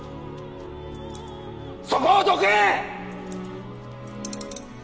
そこをどけ！